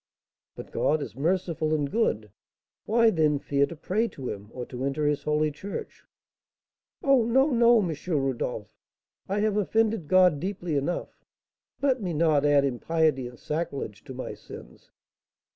"But God is merciful and good; why, then, fear to pray to him, or to enter his holy church?" "Oh, no, no, M. Rodolph! I have offended God deeply enough; let me not add impiety and sacrilege to my sins."